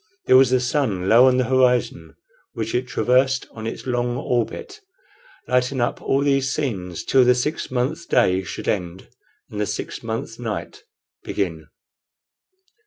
There was the sun, low on the horizon, which it traversed on its long orbit, lighting up all these scenes till the six months day should end and the six months night begin.